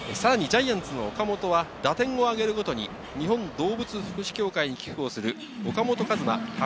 さらにジャイアンツの岡本は打点を挙げるごとに、日本動物福祉協会に寄付をする岡本和真